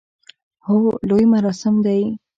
هو، لوی مراسم دی